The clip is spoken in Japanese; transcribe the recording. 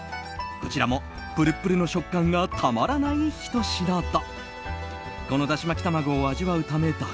こちらもプルプルの食感がたまらないひと品だ。